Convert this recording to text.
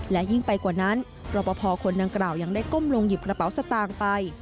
และยิ่งไปกว่านั้นรอปภคนดังกล่าวยังได้ก้มลงหยิบกระเป๋าสตางค์ไป